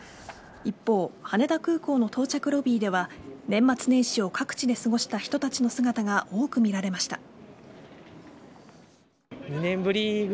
一方、羽田空港の到着ロビーでは年末年始を各地で過ごした人たちの姿が多く見られました。